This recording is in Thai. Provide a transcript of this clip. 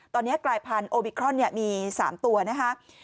ตอนนี้กลายพันธุ์โอมิครอนมี๓ตัวนะคะ